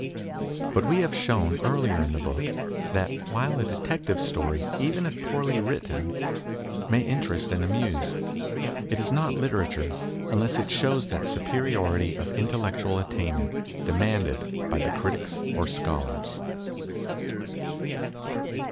But we have shown earlier in the book that while a de tective story, even if poorly written, may interest and amuse, it is not literature unless it shows that superiority of intellectual attainment demanded by the critics or scholars.